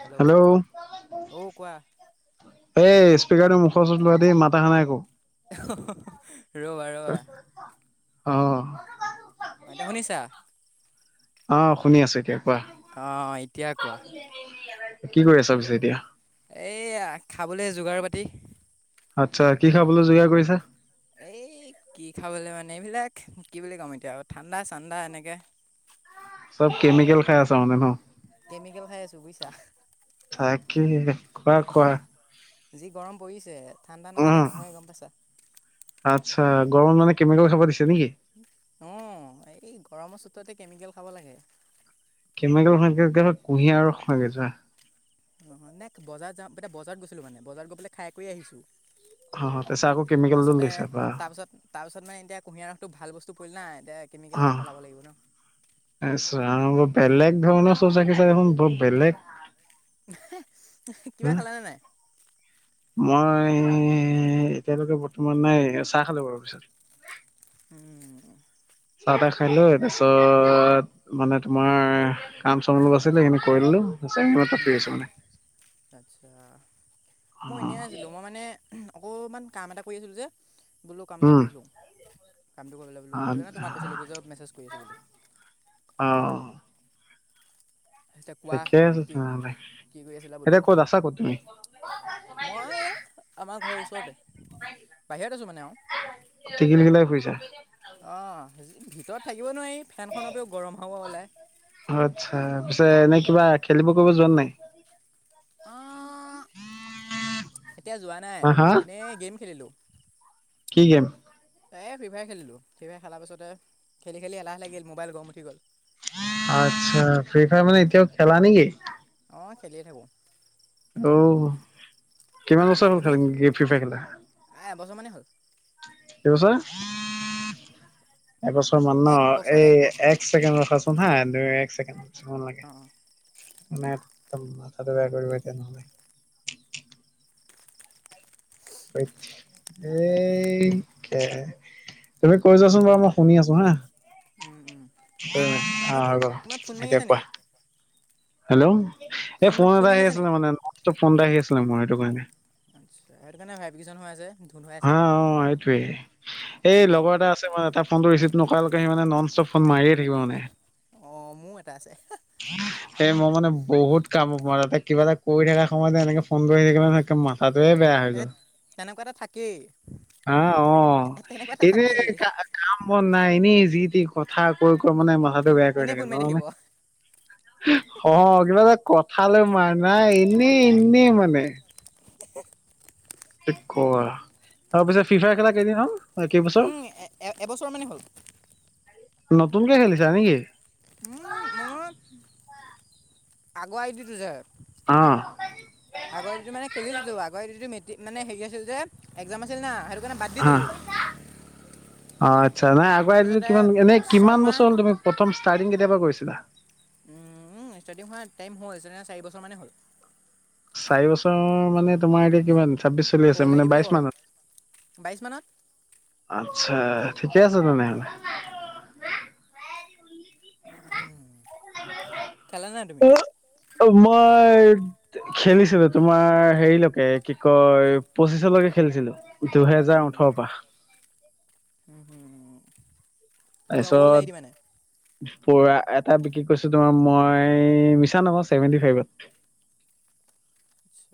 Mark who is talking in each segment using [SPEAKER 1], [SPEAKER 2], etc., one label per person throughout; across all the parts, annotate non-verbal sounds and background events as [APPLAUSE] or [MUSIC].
[SPEAKER 1] Hello অ' কোৱা
[SPEAKER 2] এই স্পীকাৰটোৰ মুখৰ ওচৰত লোৱা দেই মাত অহা নাই একো।
[SPEAKER 1] ৰ'বা ৰ'বা।
[SPEAKER 2] অ
[SPEAKER 1] অ এতিয়া শুনিছা?
[SPEAKER 2] অ শুনি আছো এতিয়া। কোৱা,
[SPEAKER 1] অ এতিয়া কোৱা।
[SPEAKER 2] কি কৰি আছা পিছে এতিয়া?
[SPEAKER 1] এইয়া খাবলৈ যোগাৰ পাতি।
[SPEAKER 2] আচ্ছা কি খাবলৈ যোগাৰ কৰিছা?
[SPEAKER 1] এই কি খাবলৈ মানে এইবিলাক কি বুলি ক'ম এতিয়া ঠাণ্ডা চান্দা এনেকে।
[SPEAKER 2] চব কেমিকেল খাই আছ মানে ন?
[SPEAKER 1] কেমিকেল খাই আছো বুজিছা।
[SPEAKER 2] তাকেই খোৱা খোৱা।
[SPEAKER 1] যি গৰম পৰিছে ঠাণ্ডা নাখালে
[SPEAKER 2] উম,
[SPEAKER 1] নহয় গম পাইছা।
[SPEAKER 2] আচ্ছা গৰম মানে কেমিকেল খাব দিছে? নেকি?
[SPEAKER 1] অ এই গৰমৰ চোততে কেমিকেল খাব লাগে।
[SPEAKER 2] কেমিকেল খোৱাতকে কুঁহিয়াৰ ৰস খোৱাগে যোৱা।
[SPEAKER 1] অঁ এনে বজাৰ যাম এতিয়া বজাৰত গৈছিলো মানে বজাৰত গৈ পেলাই খাই কৰি আহিছোঁ।
[SPEAKER 2] অ', তাৰপিছত আকৌ
[SPEAKER 1] তাৰ
[SPEAKER 2] কেমিকেলটো
[SPEAKER 1] পিছতে
[SPEAKER 2] লৈছা বা
[SPEAKER 1] তাৰপিছত তাৰ পিছত মানে এতিয়া কুঁহিয়াৰ ৰসটো ভাল বস্তু পৰিল না এতিয়া কেমিকেল
[SPEAKER 2] অ
[SPEAKER 1] এটা পেলাব লাগিব ন
[SPEAKER 2] আচ্ছা অ বেলেগ ধৰণৰ চাগে চ দেখন ব বেলেগ।
[SPEAKER 1] কিবা খালানে নাই?
[SPEAKER 2] মই এতিয়ালৈকে বৰ্তমান নাই। চাহ খালো বাৰু পিছত।
[SPEAKER 1] উম
[SPEAKER 2] চাহ তাহ খালো। তাৰপিছত মানে তোমাৰ কাম চামল আছিল সেইখিনি কৰিলো।
[SPEAKER 1] উম আচ্ছা।
[SPEAKER 2] অ
[SPEAKER 1] মই এনে আছিলো মই মানে অকণমান কাম এটা কৰি আছিলোঁ যে ব'লো কামটো
[SPEAKER 2] উম
[SPEAKER 1] কৰিলোঁ। কামটো কৰিবলৈ বোলো সেইটো কাৰণে তোমাক কৈছিলো বুজ মেছেজ কৰি আছোঁ বুলি।
[SPEAKER 2] অ'
[SPEAKER 1] এতিয়া কোৱা
[SPEAKER 2] ঠিকে আছে
[SPEAKER 1] কি
[SPEAKER 2] তেনেহ'লে,
[SPEAKER 1] কি কৰি আছিলা বোলো
[SPEAKER 2] এতিয়া ক'ত আছা ক'ত তুমি
[SPEAKER 1] মই এ আমাৰ ঘৰৰ ওচৰতে বাহিৰত আছো মানে অ'
[SPEAKER 2] টিকিলিকিলাই ফুৰিছা
[SPEAKER 1] অ' ভিতৰত থাকিব নোৱাৰি ফেনখনপও গৰম হ'ব ওলায়।
[SPEAKER 2] তাৰ পিছে এনে কিবা খেলিব কৰিব যোৱা নে নাই।
[SPEAKER 1] আহ এতিয়া যোৱা নাই
[SPEAKER 2] হা হা
[SPEAKER 1] এনেই গেম খেলিলো।
[SPEAKER 2] কি গেম?
[SPEAKER 1] এই ফ্ৰিভায়াৰ খেলিলোঁ। ফ্ৰিভায়াৰ খেলাৰ পাছতে খেলি খেলি এলাহ লাগিল মোবাইল গৰম উঠি গ'ল।
[SPEAKER 2] আচ্ছা ফ্ৰীফায়াৰ মানে এতিয়াও খেলা নেকি?
[SPEAKER 1] অ' খেলিয়ে থাকোঁ।
[SPEAKER 2] অ' কিমান
[SPEAKER 1] উম,
[SPEAKER 2] বছৰ হ'ল
[SPEAKER 1] তুমি
[SPEAKER 2] খালি ফ্ৰী ফায়াৰ খেলা?
[SPEAKER 1] এবছৰমানেই হ'ল।
[SPEAKER 2] কছ [INAUDIBLE] এবছৰ মান ন
[SPEAKER 1] এক বছৰ
[SPEAKER 2] এই
[SPEAKER 1] বছৰ
[SPEAKER 2] এক ছেকেণ্ড ৰখাচোন হা দুই এক ছেকেণ্ড। ছ মন লাগে।
[SPEAKER 1] অঁ অঁ
[SPEAKER 2] মানে একদম মাথাটো বেয়া কৰিব এতিয়া নহ'লে। এই ক তুমি কৈ যোৱাচোন বাৰু মই শুনি আছো হা
[SPEAKER 1] উম উম। তোমাৰ
[SPEAKER 2] অ'
[SPEAKER 1] ফো
[SPEAKER 2] হ'ব
[SPEAKER 1] তোমাৰ ফোন মাৰি
[SPEAKER 2] এতিয়া
[SPEAKER 1] আছে
[SPEAKER 2] কোৱা।
[SPEAKER 1] নেকি?
[SPEAKER 2] হেল্লো, এই ফোন এটা আহি আছিলে মানে ফোন এটা আহি আছিলে মোৰ সেইটো কাৰণে
[SPEAKER 1] আচ্ছা সেইটো কাৰণে ভাইটগেচন হৈ আছে। ধুন হৈ আছে
[SPEAKER 2] হ অ' সেইটোৱে এই লগৰ এটা আছে ম এটা ফোনটো ৰিচিভ নকোৱ সি মানে নন ষ্টপ ফোন মাৰিয়ে থাকিব মানে।
[SPEAKER 1] অ' মোৰ এটা আছে।
[SPEAKER 2] স মই মানে বহুত কাম আ মাৰ তাতে কিবা এটা কৰি থকা সময়তে এনেকে ফোন কৰি থাকিলে নহয় একে মা থাটোহে বেয়া হৈ গ'ল।
[SPEAKER 1] কি?
[SPEAKER 2] অ' অ' এনে
[SPEAKER 1] থাকেই
[SPEAKER 2] ক কাম বন নাই এনেই যি টি কথা কৈ মানে মাথাটো বেয়া কৰি
[SPEAKER 1] এনেই
[SPEAKER 2] থাকে
[SPEAKER 1] ফোন
[SPEAKER 2] ন
[SPEAKER 1] মাৰি
[SPEAKER 2] মানে।
[SPEAKER 1] থাকিব
[SPEAKER 2] হ কিবা এটা কথালৈ মাৰ নাই এনেই এনেই মানে। ক তাৰ পিছত ফিফাই খেলা কেইদিন হল, কেইবছৰ?
[SPEAKER 1] এ এবছৰ মানেই হ'ল।
[SPEAKER 2] নতুনকে খেলিছা নেকি?
[SPEAKER 1] উম আই আই দি তো যে,
[SPEAKER 2] অ
[SPEAKER 1] আগ আ দি টোত খেলিছিলো আগ আই দি ম মানে হেৰি আছিল যে এক্জাম আছিল না সেইটো কাৰণে বাদ দি
[SPEAKER 2] অ
[SPEAKER 1] দিলো।
[SPEAKER 2] অ' আচ্ছা নাই আগ আই দি কিমান এনে কিমান
[SPEAKER 1] ছমাহ
[SPEAKER 2] বছৰ হল তুমি প্ৰথম ষ্টাৰ্টিং কেতিয়াবা কৰিছিলা?
[SPEAKER 1] উমম ষ্টাৰ্টিং হোৱাৰ টাইম হল চাৰি বছৰ মানেই হ'ল।
[SPEAKER 2] চাৰি বছৰ মানে তোমাৰ এতিয়া কিমান? ছাব্বিশ চলি আছে
[SPEAKER 1] অ'ল আই ডি
[SPEAKER 2] মানে
[SPEAKER 1] বুলি ক'ব
[SPEAKER 2] বাইশ
[SPEAKER 1] পাৰি
[SPEAKER 2] মানত।
[SPEAKER 1] বাইছ মানত
[SPEAKER 2] আত্ছা ঠিকে আছে তেনেহ'লে।
[SPEAKER 1] খেলা নাই
[SPEAKER 2] অ' মই খেলিছিলো। তোমাৰ হেৰিলৈকে কি কয় পঁচিছলৈকে খেলিছিলো। দুহেজাৰ ওঠৰৰ পৰা।
[SPEAKER 1] উম - হুম। পুৰা, অল্ড আই
[SPEAKER 2] তাৰপিছত
[SPEAKER 1] ডি মানে।
[SPEAKER 2] পুৰা এটা বিক্ৰী কৰিছোঁ, তোমাৰ মই মিছা নকওঁ, ছেভেনটি ফাইভত। [INAUDIBLE]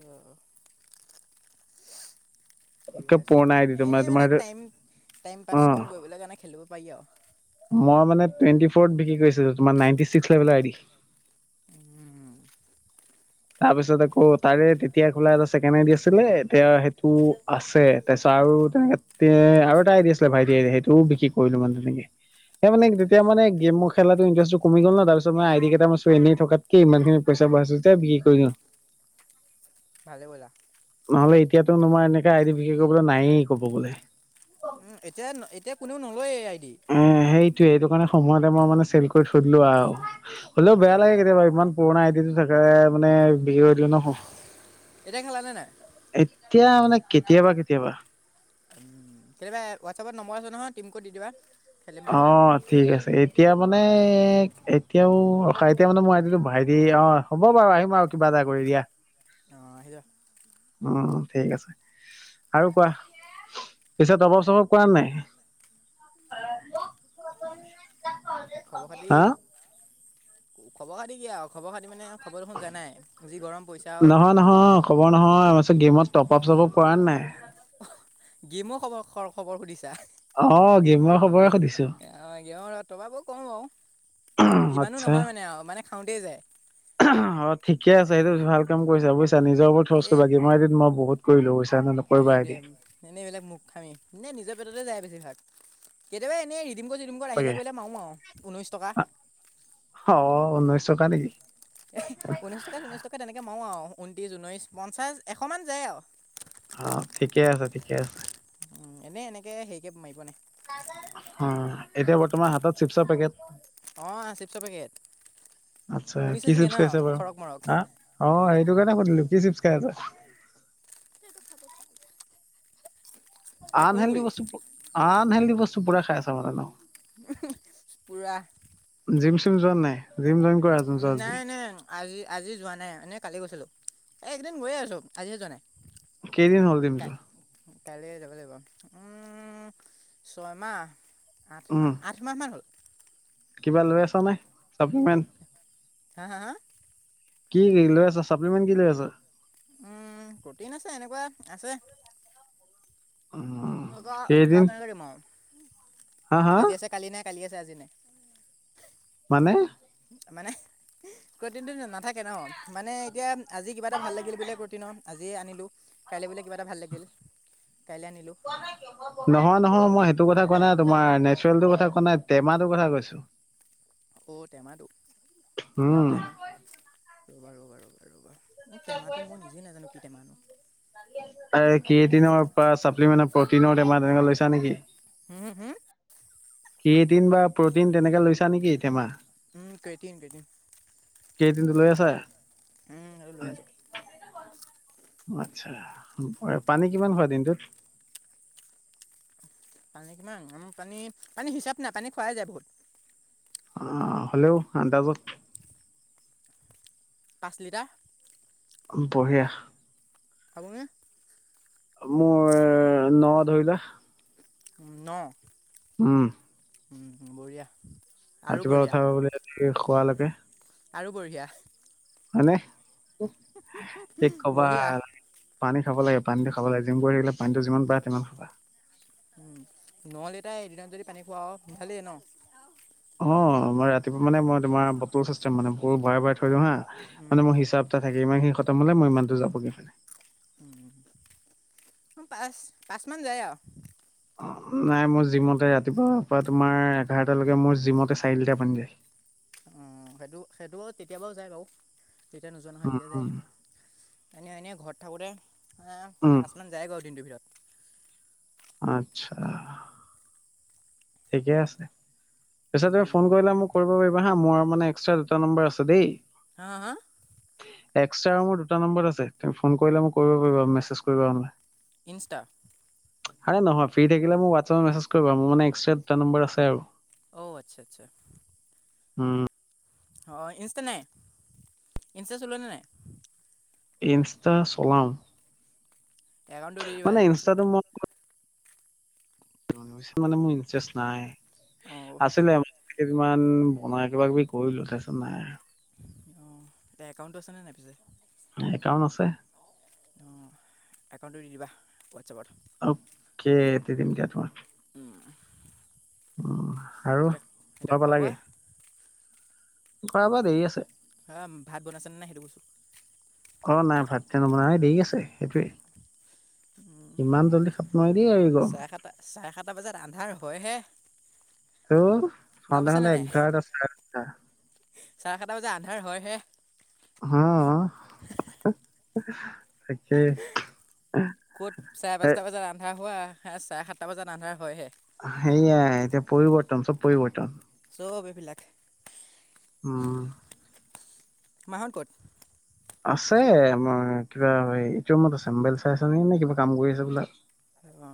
[SPEAKER 1] অ' - অ'। ঠিকে
[SPEAKER 2] একে
[SPEAKER 1] আছে।
[SPEAKER 2] পুৰণা আই ডিটো
[SPEAKER 1] এনে
[SPEAKER 2] তোমাৰ
[SPEAKER 1] মানে
[SPEAKER 2] সেইটো
[SPEAKER 1] টাইম- টাইম
[SPEAKER 2] অ
[SPEAKER 1] পাছ কণ কৰিবলৈ কাৰণে খেলিব পাৰি আৰু।
[SPEAKER 2] মই মানে টুৱেন্টি ফোৰত বিক্ৰী কৰিছিলোঁ, তোমাৰ নাইন টি চিক্স লেভেলৰ আই ডি। তাৰপিছত আকৌ, তাৰে তেতিয়া খোলা এটা চছেকেণ্ড আই ডি আছিলে। এতিয়া সেইটো আছে। তাৰপিছত আৰু তেনেকে তে- আৰু এটা আই ডি আছিলে, ভাইটিয়েৰে। সেইটোও বিক্ৰী কৰিলোঁ মানে তেনেকে সেই মানে- তেতিয়া মানে গেম খেলাটো ইণ্টাৰেষ্টটো কমি গ'ল ন'। তাৰপিছ মানে আই ডি কেইটা মষ্ট এনে থকাতকে ইমানখিনি প [UNINTELLIGIBLE] বি কৰিলোঁ।
[SPEAKER 1] ভালে কৰিলা।
[SPEAKER 2] নহ'লে, এতিয়াটো নো মই এনেকে আই ডি বিক্ৰী কৰিবলৈ নায়েই, ক'ব গ'লে।
[SPEAKER 1] উম, এতিয়া- এতিয়া কোনেও নলয়েই আই ডি।
[SPEAKER 2] টোৱে, সেইটো কাৰণে সময়তে মই মানে ছেল কৰি থৈ দিলো আও। হ'লেও
[SPEAKER 1] ভালে
[SPEAKER 2] বেয়া লাগে
[SPEAKER 1] কৰিলা
[SPEAKER 2] কেতিয়াবা, ইমান পুৰণা আই ডিটো থ ৰে মানে বিক্ৰী কৰি দিলোঁ ন'।
[SPEAKER 1] এতিয়া খেলানে নাই
[SPEAKER 2] এতিয়া মানে কেতিয়াবা - কেতিয়াবা।
[SPEAKER 1] কেতিয়াবা হোৱাটছএপত নম্বৰ আছে নহয়, টিমকোড দি দিবা। খেলিম দুটাই
[SPEAKER 2] অ', ঠিক আছে। এতিয়া মানে এতিয়াও, ৰখা এতিয়া মানে মই আহি দিলোঁ। ভাইটি, অ'- হ'ব বাৰু আহিম আৰু, কিবা এটা কৰি। ৰি অ'।
[SPEAKER 1] অ' আহি যা।
[SPEAKER 2] অ' - অ', ঠিক আছে। আৰু কোৱা? পিছে টপ্-আপ্ - চপ্-আপ্ কৰান নাই?
[SPEAKER 1] খবৰ -
[SPEAKER 2] হা?
[SPEAKER 1] খাতি- খবৰ - খাতি কি আও, খবৰ - খাতি মানে খবৰ দেখোন জানায়ে। যি গৰম পৰিছে আও।
[SPEAKER 2] নহয় নহয় খবৰ নহয় মই কৈছোঁ গেমত টপ্‌-আপ্‌ - চপ্‌-আপ্‌ কৰান নাই?
[SPEAKER 1] অ' গেমৰ খবৰ, খৰ- খবৰ সুধিছা?
[SPEAKER 2] অ', গেমৰ খবৰে সুধিছোঁ।
[SPEAKER 1] টপ্-আপো কৰোঁ বাৰু। ইমানো
[SPEAKER 2] আচ্ছা
[SPEAKER 1] নহয় মানে আও, মানে খাওঁতেই যায়।
[SPEAKER 2] অ', ঠিকে আছে। সেইটো ভাল কাম কৰিছা, বুজিছা? নিজৰ ওপৰত খৰচ কৰিবা। গেমৰ আই ডিত মই বহুত কৰিলোঁ বুইছ্‌
[SPEAKER 1] সেয়ে দে। এনেই এইবিলাক মুৰ্খামি। এনেই নিজৰ পেটতে যায় বেছিভাগ। কেতিয়াবা এনেই ৰিডিম কোড - চিডিম কোড
[SPEAKER 2] তাকে
[SPEAKER 1] আহিলে কৰিলে মাৰোঁ আও, ঊনৈশ টকা।
[SPEAKER 2] অ ঊনৈশ টকা নেকি?
[SPEAKER 1] এহ, ঊনৈশ টকা- চনৈশ টকা তেনেকে মাৰোঁ আও। ঊনত্ৰিশ, ঊনৈশ, পঞ্চাশ, এশ মান যায় আও।
[SPEAKER 2] অ', ঠিকে আছে - ঠিকে আছে।
[SPEAKER 1] উম, এনে এনেকে হেৰিকে মাৰি পোৱা নাই।
[SPEAKER 2] অ', এতিয়া বৰ্তমান হাতত চিপছৰ পেকেট।
[SPEAKER 1] অ', চিপছৰ পেকেট।
[SPEAKER 2] আচ্ছা,
[SPEAKER 1] শুনিছে
[SPEAKER 2] কি
[SPEAKER 1] চাগে
[SPEAKER 2] চিপ্‌ছ
[SPEAKER 1] ন
[SPEAKER 2] খাইছা বাৰু?
[SPEAKER 1] খৰক মৰক
[SPEAKER 2] হা? অ' সেইটো কাৰণে সুধিলোঁ। কি চিপ্‌ছ খাই আছা?
[SPEAKER 1] এই
[SPEAKER 2] আনহেল্ডি
[SPEAKER 1] কুৰকুৰি
[SPEAKER 2] বস্তু- আনহেল্ডি বস্তু পুৰা খাই আছা মানে ন'?
[SPEAKER 1] হঁ-হঁ-হঁ, পুৰা।
[SPEAKER 2] জীম-চিম যোৱান নাই? জীম জইন কৰা আজি, যোৱা
[SPEAKER 1] নাই
[SPEAKER 2] যদি।
[SPEAKER 1] নাই আজি আজি যোৱা নাই, মানে কালি গৈছিলোঁ। এই কেইদিন গৈয়ে আছোঁ। আজিহে যোৱা নাই।
[SPEAKER 2] কেইদিন হ'ল জীম যোৱা?
[SPEAKER 1] কাইলৈ যাব লাগিব। উম, ছয়মাহ,
[SPEAKER 2] উম,
[SPEAKER 1] আঠমাহ, আঠমাহ মান হ'ল।
[SPEAKER 2] কিবা লৈ আছ' নে? ছাপলমেণ্ট?
[SPEAKER 1] হাঁ- হাঁ-হাঁ।
[SPEAKER 2] কি লৈ আছা, চাপ্লিমেণ্ট কি লৈ আছ?
[SPEAKER 1] উম, কঠিন আছে, এনেকুৱা আছে
[SPEAKER 2] উম,
[SPEAKER 1] এতিয়া
[SPEAKER 2] কেইদিন
[SPEAKER 1] হিচাপ কেনেকে দিম আও।
[SPEAKER 2] হা হা
[SPEAKER 1] আজি আছে কালি নাই, কালি আছে আজি আজি নাই।
[SPEAKER 2] মানে?
[SPEAKER 1] মানেহ্‌, গটিনটো না নাথাকে ন'। মানে এতিয়া আজি কিবা এটা ভাল লাগিল বোলে গটিনৰ আজি আনিলোঁ। কাইলৈ বোলে কিবা এটা ভাল লাগিল। কাইলৈ আনিলোঁ
[SPEAKER 2] কোৱাখা নহয় ক'। নহয়, নহয় মই সেইটো কথা কোৱা নাই। তোমাৰ এনেই চনটোৰ কথা কোৱা নাই। তেমাটোৰ কথা কৈছো।
[SPEAKER 1] অঁ টেমাটো,
[SPEAKER 2] উম।
[SPEAKER 1] টেমা ৰ'বা ৰ'বা ৰ'বা ৰ''বা। টেমাটো, মই নিজে নাজানো কি টেমা।
[SPEAKER 2] এই কেটিনৰ পৰা চাপ্লিমেনৰ প্ৰ'টিনৰ টেমাৰ তেনেকে লৈছা নেকি?
[SPEAKER 1] হম হম
[SPEAKER 2] ক্ৰেটিন বা প্ৰ'টিন তেনেকে লৈছা নেকি তেমাহ?
[SPEAKER 1] উম কেইটিম কেইটিম
[SPEAKER 2] ক্ৰিয়েটিনটো
[SPEAKER 1] [UNINTELLIGIBLE]
[SPEAKER 2] লৈ
[SPEAKER 1] এইক
[SPEAKER 2] আছা?
[SPEAKER 1] উম আৰু লৈ আছো। [UNINTELLIGIBLE]
[SPEAKER 2] আতছা, পানী কিমান হোৱা দিনটোত
[SPEAKER 1] পানী কিমান আম পানী পানী হিচাপ নাই পানী খোৱাই যায় বহুত
[SPEAKER 2] অ হলেও' আন্দাজত
[SPEAKER 1] পাঁচ লিটাৰ।
[SPEAKER 2] বঢ়িয়া
[SPEAKER 1] আবু [UNINTELLIGIBLE]
[SPEAKER 2] মোৰ ন ধৰিলা
[SPEAKER 1] ন
[SPEAKER 2] উম।
[SPEAKER 1] বঢ়িয়া আৰু
[SPEAKER 2] ৰাতিপুৱা
[SPEAKER 1] বঢ়িয়া
[SPEAKER 2] উঠা বুলি কোৱালৈকে। [UNINTELLIGIBLE]
[SPEAKER 1] আৰু বঢ়িয়া।
[SPEAKER 2] হয়নে। কি কবা?
[SPEAKER 1] বঢ়িয়া
[SPEAKER 2] পানী খাব লাগে, পানীটো খাব লাগে, জিম কৰি থাকিলে পানীটো যিমান পায় সিমান খাবা।
[SPEAKER 1] উম নহ'লে তাই এদিনত যদি পানী খোৱা সোনধালেইে ন [UNINTELLIGIBLE]
[SPEAKER 2] অ মই ৰাতিপুৱা মে মই তোমাৰ বটল চিষ্টেম মানে ব ভৰাই ভৰাই থৈ দিওঁ হা মানে মই হিচাপ এটা থাকে ইমান খিনি খতম হলে মই ইমানতো যাবগৈ।
[SPEAKER 1] পাঁচ পাঁচ মান যায় আৰু
[SPEAKER 2] নাই মোৰ জিমতে ৰাতিপুৱাৰ পৰা তোমাৰ এঘাৰটালৈকে মোৰ জিমতে চাৰিলিটা পানী যায়।
[SPEAKER 1] অ সেইটো সেইটো তেতিয়াবাও যায় বাৰু তেতিয়া নোযোৱা নহয়
[SPEAKER 2] উম
[SPEAKER 1] তেতিয়া যায়।
[SPEAKER 2] উম
[SPEAKER 1] এনেই এনেই ঘৰত থাকোঁতে
[SPEAKER 2] উম
[SPEAKER 1] পাঁচমান যায় বাৰু দিনটোৰ ভিতৰত
[SPEAKER 2] আত্ছা ঠিকেই আছে। পিছে তুমি ফোন কৰিলে মোক কৰিব পাৰিবা হা মোৰ মানে এক্সট্ৰা দুটা নম্বৰ আছে দেই।
[SPEAKER 1] হা হা
[SPEAKER 2] এক্সট্ৰা ৰুমৰ দুটা নম্বৰত আছে তুমি ফোন কৰিলে মোক কৰিব পাৰিবা মেছেজ কৰিবা মানে।
[SPEAKER 1] ইনষ্টা
[SPEAKER 2] আৰে নহয় ফ্ৰী থাকিলে মোক হোৱাটছএপত মেছেজ কৰিবা আৰু মোৰ মানে এক্সট্ৰা দুটা নম্বৰ আছে আৰু
[SPEAKER 1] অ আচ্ছা আচ্ছা।
[SPEAKER 2] উম।
[SPEAKER 1] অ ইনষ্টা নাই? ইনষ্টা চলোৱা নে নাই?
[SPEAKER 2] ইনষ্টা চলাম।
[SPEAKER 1] একাউণ্টটো দি দিবা
[SPEAKER 2] মানে
[SPEAKER 1] আজি হোৱাটছআপত
[SPEAKER 2] ইনষ্টাটো মই মানে মোৰ ইণ্টাৰেষ্ট নাই।
[SPEAKER 1] অঁ
[SPEAKER 2] আছিলে ইমান বনাই কিবা কিবি কৰিলো তাৰপিছত নাই।
[SPEAKER 1] অ, এতিয়া একাউণ্টটো আছে নে নাই পিছে?
[SPEAKER 2] একাউণ্ট আছে।
[SPEAKER 1] অ একাউণ্টটো দি দিবা হোৱাটছআপত।
[SPEAKER 2] অকে, তে দিম দিয়া তোমাক।
[SPEAKER 1] উম।
[SPEAKER 2] উ আৰু ঘৰ
[SPEAKER 1] খোৱা
[SPEAKER 2] পালাগে?
[SPEAKER 1] বোৱা
[SPEAKER 2] খোৱা-বোৱা দেৰি আছে।
[SPEAKER 1] হা ভাত বনাইছেনে নাই সেইটো কৈছোঁ।
[SPEAKER 2] অ, নাই ভাত এতিয়া নবনায়। এই দেৰি আছে, সেইটোৱে।
[SPEAKER 1] কৈছোঁ
[SPEAKER 2] ইমান জল্দি খাব নোৱাৰি। দেই এই গৰমত
[SPEAKER 1] চাৰে সাতটা, চাৰে সাতটা বজাত আন্ধাৰ হয় হে।
[SPEAKER 2] ত খাওঁতে-খাওঁতে
[SPEAKER 1] নাই
[SPEAKER 2] এঘাৰটা চাৰে [UNINTELLIGIBLE] টা।
[SPEAKER 1] চাৰে সাতটা বজাত আন্ধাৰ হয় হে।
[SPEAKER 2] হু, তাকে।
[SPEAKER 1] ক'ত চাৰে
[SPEAKER 2] এ
[SPEAKER 1] পাঁচটা বজাত আন্ধাৰ হোৱা আৰু চাৰে সাতটা বজাত আন্ধাৰ হয় হে।
[SPEAKER 2] সেইয়াই এতিয়া পৰিৱৰ্তন চব পৰিৱৰ্তন।
[SPEAKER 1] চব এইবিলাক।
[SPEAKER 2] উম।
[SPEAKER 1] মাহঁত ক'ত?
[SPEAKER 2] আছে। মা কিবা ইটো ৰুমত আছে। মোবাইল চাই আছ নেকি নে কিবা কাম কৰি আছে হবলা।
[SPEAKER 1] অ, অঁ।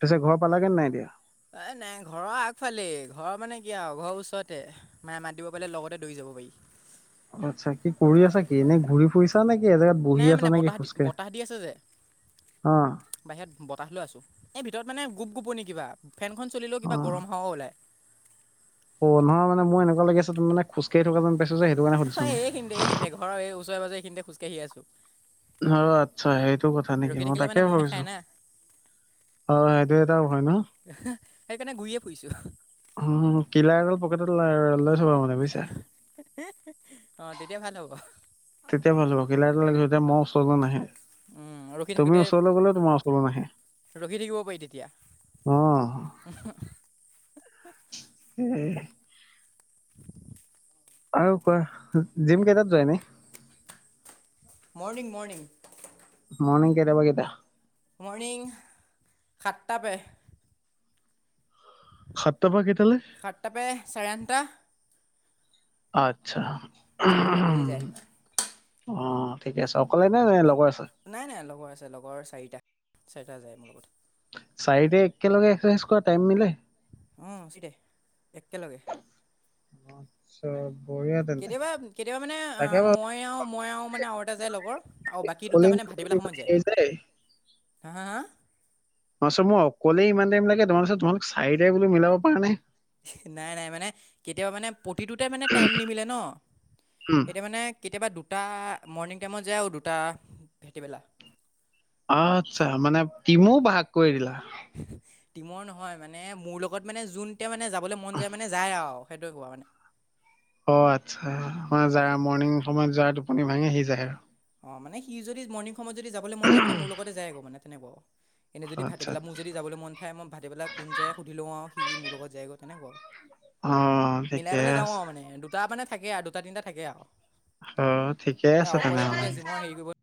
[SPEAKER 2] পিছে ঘৰ পালাগে নে নাই এতিয়া?
[SPEAKER 1] এ, নাই ঘৰৰ আগফালেই, ঘৰৰ মানে কি আৰু ঘৰৰ ওচৰতে, মায়ে মাত দিব পালে লগতে দৌৰি যাব পাৰি। [INAUDIBLE]
[SPEAKER 2] আত্ছা কি কৰি আছা কি? এনেই ঘূৰি ফুৰিছা নে?
[SPEAKER 1] নাই মানে বতাহ দি বতাহ দি আছে যে,
[SPEAKER 2] অ
[SPEAKER 1] বাহিৰত বতাহ লৈ আছো। এই ভিতৰত মানে গোপ-গোপনি কিবা। ফেনখন চলিলেও
[SPEAKER 2] অ
[SPEAKER 1] কিবা গৰম হাৱা ওলায়।
[SPEAKER 2] অ, নহয় মানে মোৰ এনেকুৱা লাগি আছে তুমি মানে খোজকাঢ়ি থকা যেন পাইছোঁ।
[SPEAKER 1] অ' এইখিনিতে, এইখিনিতে। ঘৰৰ এই ওচৰে-পাজৰে এইখিনিতে খোজকাঢ়ি আছো।
[SPEAKER 2] অ, আচ্ছা সেইটো কথা নেকি?
[SPEAKER 1] ৰখি
[SPEAKER 2] মই
[SPEAKER 1] থাকিলে
[SPEAKER 2] তাকে
[SPEAKER 1] মানে মহে
[SPEAKER 2] ভাবিছো।
[SPEAKER 1] খায় না
[SPEAKER 2] অ' সেইটো এটাও হয় ন?
[SPEAKER 1] সেইকাৰণে ঘূৰিয়ে ফুৰিছোঁ
[SPEAKER 2] অ কিলাই [UNINTELLIGIBLE] [UNINTELLIGIBLE] লৈ থবা মানে বুইছা?
[SPEAKER 1] অঁ তেতিয়া ভাল হ'ব
[SPEAKER 2] তেতিয়া ভাল হ'ব। কিলাৰ লৈ থলে তেতিয়া মহ ওচৰলে নাহে।
[SPEAKER 1] উম, ৰখি
[SPEAKER 2] তুমি
[SPEAKER 1] থাকোঁতে
[SPEAKER 2] ওচৰলে গলেও তোমাৰ ওচৰলে নাহে।
[SPEAKER 1] এ তেতিয়া
[SPEAKER 2] অ উম। আৰু কোৱা। জিম কেইটাত যোৱা এনেই?
[SPEAKER 1] Morning, morning.
[SPEAKER 2] মৰ্ণিং কেইটাৰ পৰা কেইটা?
[SPEAKER 1] মৰ্ণিং সাতটা পে
[SPEAKER 2] সাততাৰ পৰা কেইটা?
[SPEAKER 1] সাতটা পে চাৰে আঠটা।
[SPEAKER 2] আত্ছা।
[SPEAKER 1] চাৰে আঠটা বাজি যায়।
[SPEAKER 2] অ, ঠিকে আছে, অকলে নে লগৰ আছে?
[SPEAKER 1] নাই, নাই লগৰ আছে, লগৰ চাৰিটা। চাৰিটা যায় মোৰ লগত।
[SPEAKER 2] চাৰিটাই একেলগে এক্সাৰ্চাইজ কৰা টাইম মিলে?
[SPEAKER 1] অঁ চাৰিটাই একেলগে।
[SPEAKER 2] আত্ছা।
[SPEAKER 1] কেতিয়াবা, কেতিয়াবা মানে অ
[SPEAKER 2] বাৰু
[SPEAKER 1] মইও মইও মানে আৰু এটা যায় লগৰ আৰু বাকী দুটা মানে ভাটি বে
[SPEAKER 2] সেই যে
[SPEAKER 1] হা, হা।
[SPEAKER 2] তাৰছ মোৰ অকলেই ইমান টাইম লাগে তোমালোক তোমোক চাৰিটাই বো মিলাব পাৰা নাই।
[SPEAKER 1] নাই, নাই মানে কেতিয়াবা মানে প্ৰতিটোতে মানে টাইম নিমিলে ন?
[SPEAKER 2] উম
[SPEAKER 1] এতিয়া মানে কেতিয়াবা দুটা মৰ্ণিং টাইমত যায় আৰু দুটা ভেটিবেলা।
[SPEAKER 2] আচ্ছা। মানে টিমো ভাগ কৰি দিলা?
[SPEAKER 1] টিমৰ নহয় মানে মোৰ লগত মানে যোনতে মানে যাবলৈ মন যায় মানে যায় আৰু। সেইটো কোৱা হয়নে।
[SPEAKER 2] অ, আচ্ছা আমাৰ যাৰ
[SPEAKER 1] নে?
[SPEAKER 2] মৰ্ণিং সময়ত যোৱা টোপনি ভাঙি হি যায় আৰু।
[SPEAKER 1] অ, মানে সি যদি মৰ্ণিং সময়ত যদি যাবলৈ মন যায় মানে মোৰ লগতে যায় আকৌ মানে তেনেকুৱা। এনে যদি ভাটি
[SPEAKER 2] আচ্ছা
[SPEAKER 1] বেলা মোৰ যদি যাবলৈন যায়, মই ভাতে পেলাই কোন যায়াই সুধি লওঁ আৰু, সি মোৰ লগত যায়গৈ তেনেকুৱা আৰু।
[SPEAKER 2] অ
[SPEAKER 1] মিলাই
[SPEAKER 2] ঠিকে
[SPEAKER 1] পেলাই যাওঁ
[SPEAKER 2] আছে
[SPEAKER 1] আৰু মানে। দুটা মানে থাকে আৰু, দুটা তিনিটা থাকে আৰু।
[SPEAKER 2] অ' ঠিকে আছে।
[SPEAKER 1] অকল সেইটো এতিয়া
[SPEAKER 2] তেনেহ'লে।
[SPEAKER 1] জিমৰ।